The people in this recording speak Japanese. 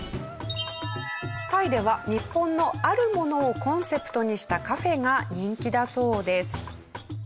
タイでは日本のあるものをコンセプトにしたカフェが人気だそうです。